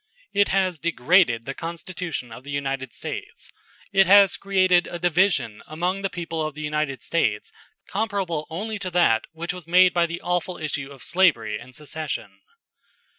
It has degraded the Constitution of the United States. It has created a division among the people of the United States comparable only to that which was made by the awful issue of slavery and secession.